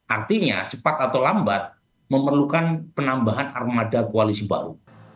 artinya cepat atau lambat memerlukan penambahan armada koalisi baru